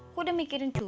gue udah mikirin cucu sih